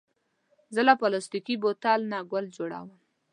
زه له پلاستيکي بوتل نه ګل جوړوم.